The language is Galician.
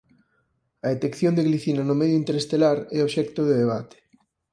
A detección de glicina no medio interestelar é obxecto de debate.